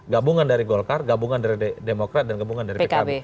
gabungan dari golkar gabungan dari demokrat dan gabungan dari pkb